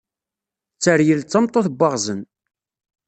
Tteryel d tameṭṭut n waɣzen.